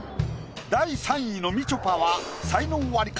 第３位のみちょぱは才能アリか？